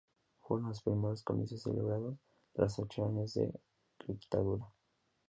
Fueron los primeros comicios celebrados tras ocho años de dictadura.